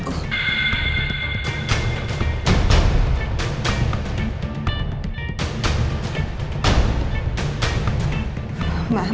takutnya dia bakal mengelirukan